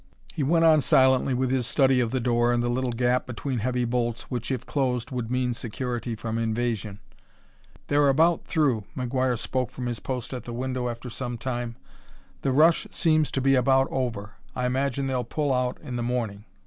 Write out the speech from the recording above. He went on silently with his study of the door and the little gap between heavy bolts, which, if closed, would mean security from invasion. "They're about through," McGuire spoke from his post at the window after some time. "The rush seems to be about over. I imagine they'll pull out in the morning."